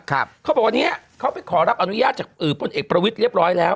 ครับเขาบอกว่าเนี่ยเขาไปขอรับอนุญาตจากผลเอกประวิทธิ์เรียบร้อยแล้ว